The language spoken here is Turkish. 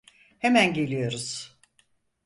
Hemen geliyoruz.